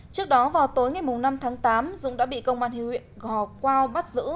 trước đó vào tối ngày năm tháng tám dũng đã bị công an hưu huyện gò quao bắt giữ